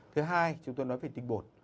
thứ hai chúng tôi nói về tinh bột